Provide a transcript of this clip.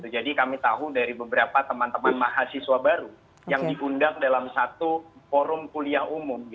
jadi kami tahu dari beberapa teman teman mahasiswa baru yang diundang dalam satu forum kuliah umum